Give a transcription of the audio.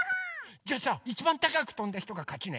じゃあさいちばんたかくとんだひとがかちね。